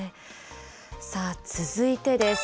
さあ、続いてです。